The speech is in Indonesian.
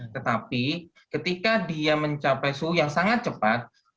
tetapi ketika dia mencapai suhu yang sangat cepat